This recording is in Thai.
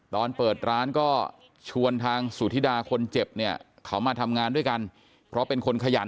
ตอนเปิดร้านก็ชวนทางสุธิดาคนเจ็บเนี่ยเขามาทำงานด้วยกันเพราะเป็นคนขยัน